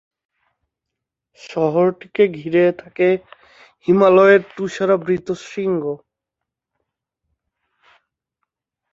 শহরটিকে ঘিরে থাকে হিমালয়ের তুষারাবৃত শৃঙ্গ।